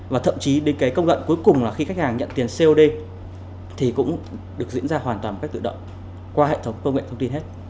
và thậm chí đến cái công đoạn cuối cùng là khi khách hàng nhận tiền cod thì cũng được diễn ra hoàn toàn bằng cách tự động qua hệ thống công nghệ thông tin hết